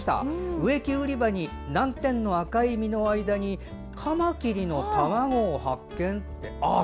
植木売り場に南天の赤い実の間にかまきりの卵を発見って。